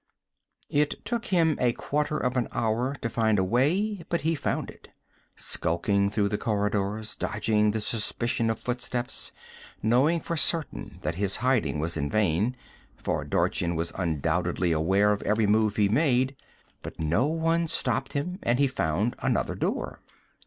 It took him a quarter of an hour to find a way, but he found it skulking through the corridors, dodging the suspicion of footsteps, knowing for certain that his hiding was in vain, for Dorchin was undoubtedly aware of every move he made. But no one stopped him, and he found another door.